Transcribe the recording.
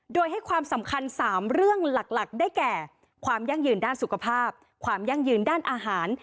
โดยให้ความสำคัญ๓เรื่องหลักได้แก่ความยั่งยืนด้านสุขภาพความยั่งยืนด้านอาหาร